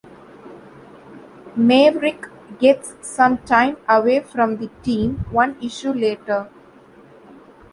Maverick gets some time away from the team one issue later.